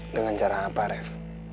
dengan cara apa ref